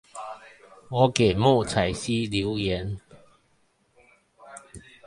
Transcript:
我給莫彩曦留言